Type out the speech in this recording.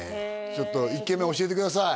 ちょっと１軒目教えてください